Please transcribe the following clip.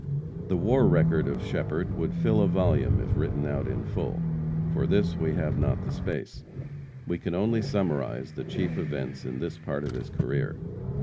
The war record of Shepherd would fill a volume if written out in full. For this we have not the space. We can only summarize the chief events in this part of his career.